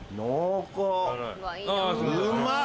うまっ。